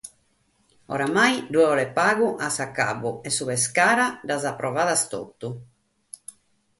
Oramai bi cheret pagu a s'acabbu e su Pescara las proat totu cantas.